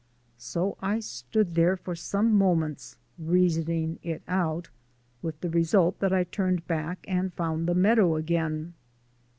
So I stood there for some moments reasoning it out, with the result that I turned back and found the meadow again.